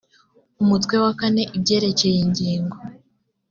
umutwe wakane ibyerekeye ingingo